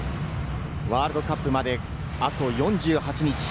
ワールドカップまで、あと４８日。